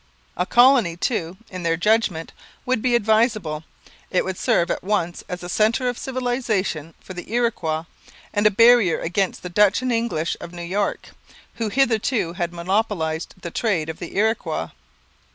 A colony, too, in their judgment, would be advisable; it would serve at once as a centre of civilization for the Iroquois and a barrier against the Dutch and English of New York, who hitherto had monopolized the trade of the Iroquois.